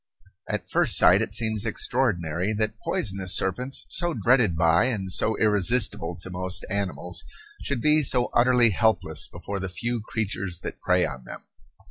At first sight it seems extraordinary that poisonous serpents, so dreaded by and so irresistible to most animals, should be so utterly helpless before the few creatures that prey on them.